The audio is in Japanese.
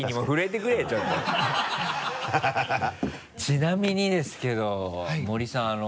ちなみにですけど森さん。